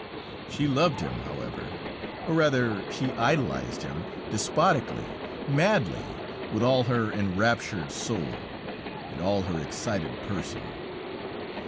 "She loved him, however, or rather she idolized him despotically, madly, with all her enraptured soul, and all her excited person.